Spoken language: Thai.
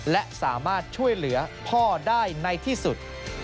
และสามารถช่วยเหลือพ่อได้ในที่สุด